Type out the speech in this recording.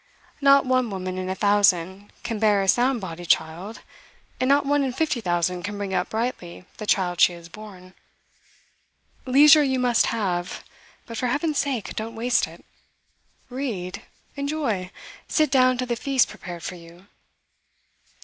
'Not one woman in a thousand can bear a sound bodied child; and not one in fifty thousand can bring up rightly the child she has borne. Leisure you must have; but for Heaven's sake don't waste it. Read, enjoy, sit down to the feast prepared for you.